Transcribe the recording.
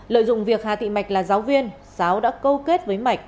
lợi dụng việc hà thị mạch là giáo viên sáo đã câu kết với mạch